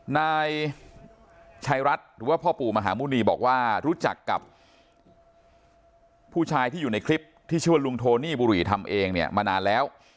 นายชัยรัฐหรือว่าพ่อปู่มหาหมุณีบอกว่ารู้จักกับผู้ชายที่อยู่ในคลิปที่ชื่อว่าลุงโทนี่บุรีทำเองเนี่ยมานานแล้ว